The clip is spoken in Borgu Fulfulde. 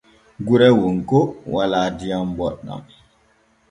Gure wonko walaa diyam boɗɗam.